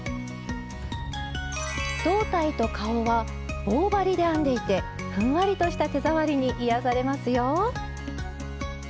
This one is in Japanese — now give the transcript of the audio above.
胴体と顔は棒針で編んでいてふんわりとした手触りに癒やされますよ。